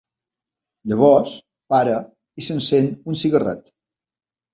Llavors para i s'encén un cigarret.